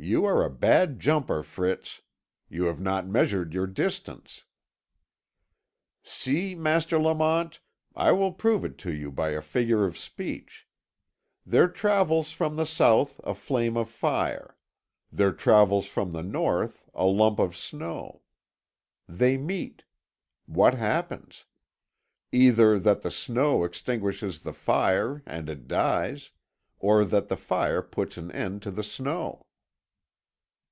"You are a bad jumper, Fritz. You have not measured your distance." "See, Master Lamont, I will prove it to you by a figure of speech. There travels from the south a flame of fire. There travels from the north a lump of snow. They meet. What happens? Either that the snow extinguishes the fire and it dies, or that the fire puts an end to the snow."